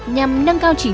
nhằm nâng cao chỉnh